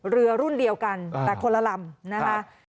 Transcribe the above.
เรือรุ่นเดียวกันแต่คนละลำนะคะ